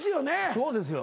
そうですよ。